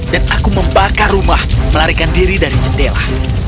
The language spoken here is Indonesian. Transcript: dan aku membakar rumah melarikan diri dari jendela